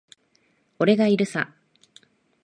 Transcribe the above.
俺がいるさ。